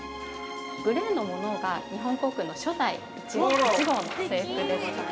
◆グレーのものが日本航空の初代、１号の制服です。